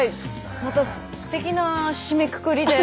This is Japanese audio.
またすてきな締めくくりで。